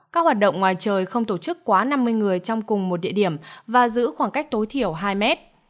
các hoạt động ngoài trời không tổ chức quá năm mươi người trong cùng một địa điểm và giữ khoảng cách tối thiểu hai mét